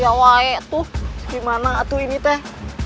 ya waae tuh gimana tuh ini teh